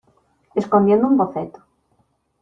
escondiendo un boceto.